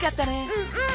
うんうん。